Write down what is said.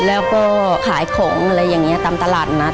แล้วก็ขายของอะไรอย่างนี้ตามตลาดนัด